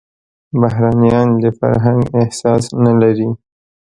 بهرنيان د فرهنګ احساس نه لري.